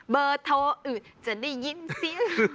เบอร์โทรจะได้ยินซิ